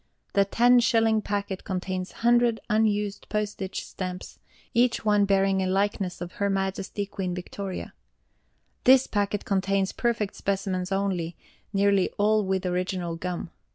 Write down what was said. The Ten Shilling Packet contains 100 Unused Postage Stamps, each one bearing a likeness of HER MAJESTY QUEEN VICTORIA. This packet contains perfect specimens only, nearly all with original gum.